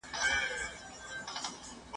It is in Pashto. ته له مستۍ د پېغلتوبه خو چي نه تېرېدای !.